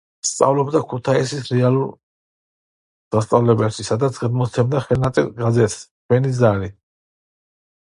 სწავლობდა ქუთაისის რეალურ სასწავლებელში სადაც გამოსცემდა ხელნაწერ გაზეთს „ჩვენი ზარი“.